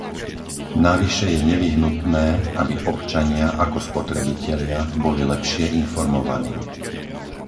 Navyše je nevyhnutné, aby občania, ako spotrebitelia, boli lepšie informovaní.